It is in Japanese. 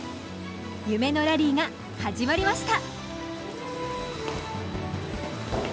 夢のラリーが始まりました